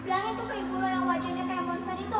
bilang itu ke ibu lo yang wajahnya kayak monster itu